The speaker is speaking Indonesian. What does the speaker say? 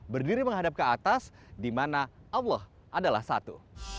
berdiri menghadap ke atas di mana allah adalah satu